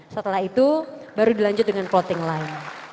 setelah itu baru dilanjut dengan plotting lain